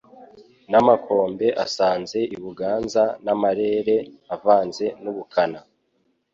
N' amakombe asanze i BuganzaN' amarere avanze n' ubukana